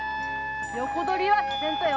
横取りはさせんとよ。